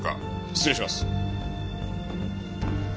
失礼します！